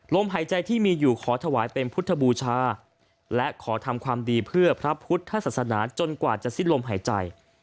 หายใจที่มีอยู่ขอถวายเป็นพุทธบูชาและขอทำความดีเพื่อพระพุทธศาสนาจนกว่าจะสิ้นลมหายใจ